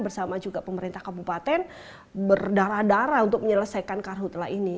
bersama juga pemerintah kabupaten berdarah darah untuk menyelesaikan karhutlah ini